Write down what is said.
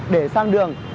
để sang đường